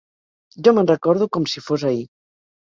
Jo me'n recordo com si fos ahir…